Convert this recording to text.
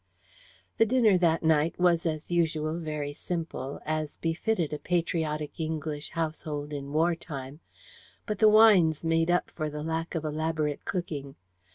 The dinner that night was, as usual, very simple, as befitted a patriotic English household in war time, but the wines made up for the lack of elaborate cooking.